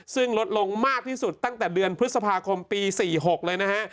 ซึ่งลดลงมากที่สุดตั้งแต่เดือนพฤษภาคมปี๔๖เลยนะฮะ